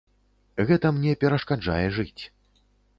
Гэта мне перашкаджае жыць.